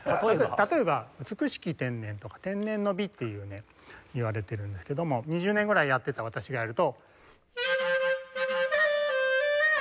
例えば『美しき天然』とか『天然の美』っていわれてるんですけども２０年ぐらいやってた私がやると。